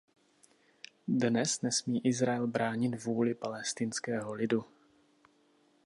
Dnes nesmí Izrael bránit vůli palestinského lidu.